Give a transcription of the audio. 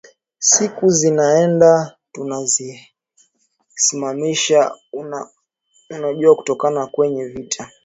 siku zinaenda tunazihesimisha unajua kunatoka kwenye vita